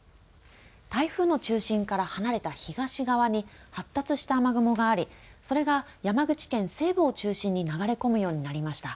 台風の中心から離れた東側に発達した雨雲がありそれが山口県西部を中心に流れ込むようになりました。